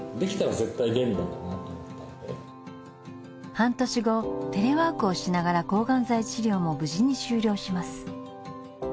半年後テレワークをしながら抗がん剤治療も無事に終了します。